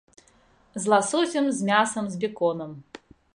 З ласосем, з мясам, з беконам.